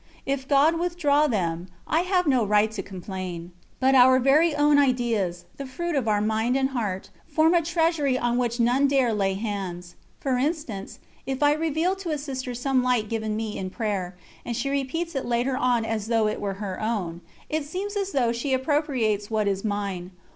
If God withdraw them, I have no right to complain. But our very own ideas, the fruit of our mind and heart, form a treasury on which none dare lay hands. For instance, if I reveal to a Sister some light given me in prayer, and she repeats it later on as though it were her own, it seems as though she appropriates what is mine.